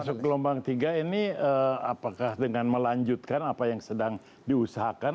masuk gelombang tiga ini apakah dengan melanjutkan apa yang sedang diusahakan